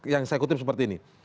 yang saya kutip seperti ini